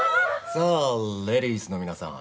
さあレディースの皆さん